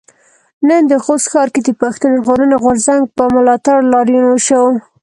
نن د خوست ښار کې د پښتون ژغورنې غورځنګ په ملاتړ لاريون وشو.